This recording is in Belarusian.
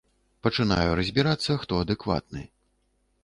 Пачынаю разбірацца, хто адэкватны.